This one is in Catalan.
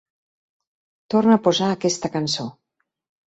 Torna a posar aquesta cançó!